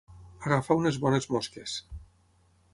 Agafar unes bones mosques.